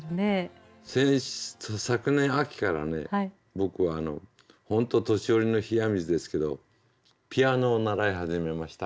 僕は本当年寄りの冷や水ですけどピアノを習い始めました。